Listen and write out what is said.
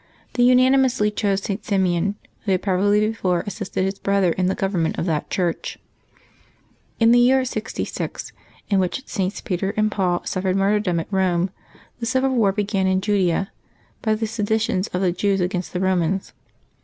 They unanimously chose St. Simeon, who had probably before assisted his brother in the government of that Church. In the year 6Q, in which Sts. Peter and Paul suffered martjTdom at Rome, the civil war began in Judea, by the seditions of the Jews against the Romans.